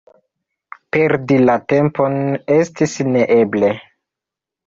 Perdi la tempon estis neeble.